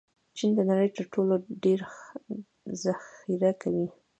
چین د نړۍ تر ټولو ډېر ذخیره کوي.